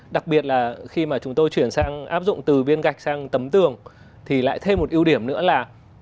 đặc biệt là khi mà chúng tôi chuyển sang áp dụng từ viên gạch sang tấm tường thì lại thêm một ưu điểm nữa là